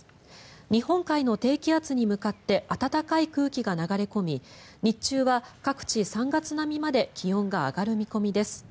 日本海の低気圧に向かって暖かい空気が流れ込み日中は各地、３月並みまで気温が上がる見込みです。